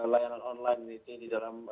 layanan online itu di dalam